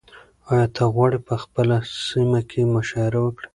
ایا ته غواړې په خپله سیمه کې مشاعره وکړې؟